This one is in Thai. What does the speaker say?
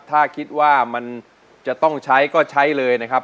ถ้าคิดว่ามันจะต้องใช้ก็ใช้เลยนะครับ